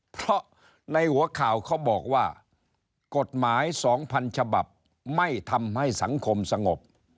เพราะในหัวข่าวเขาบอกว่ากฎหมาย๒๐๐๐ฉบับไม่ทำให้สังคมสงบ